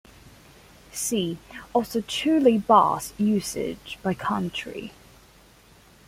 See also Trolleybus usage by country.